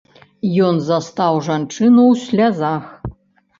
Ён застаў жанчыну ў слязах.